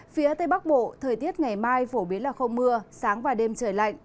phía tây bắc bộ thời tiết ngày mai phổ biến là không mưa sáng và đêm trời lạnh